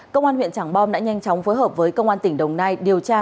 công an huyện trảng bom đã nhanh chóng phối hợp với công an tỉnh đồng nai điều tra